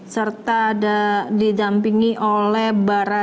serta ada didampingi oleh baradari